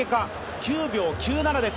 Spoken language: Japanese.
９秒９７です。